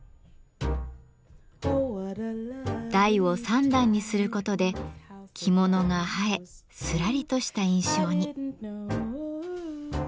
台を三段にすることで着物が映えすらりとした印象に。